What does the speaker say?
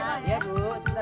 maman makan sate juga